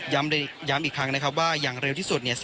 ย้ำอีกครั้งนะครับว่าอย่างเร็วที่สุดเนี่ย